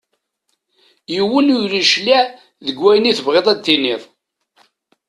Yiwen ur yecliɛ deg wayen i tebɣiḍ ad d-tiniḍ.